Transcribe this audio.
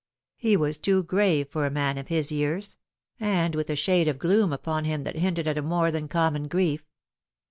He was too grave for a man of his years and with a shade of gloom upon him that hinted at a more than common grief.